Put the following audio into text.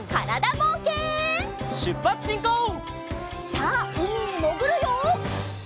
さあうみにもぐるよ！